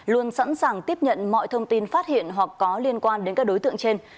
luôn sẵn sàng tiếp nhận mọi thông tin phát hiện hoặc có liên quan đến các đối tượng trên